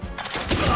うわ！